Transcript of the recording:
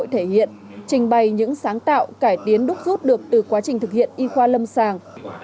thể hiện trình bày những sáng tạo cải tiến đúc rút được từ quá trình thực hiện y khoa lâm sàng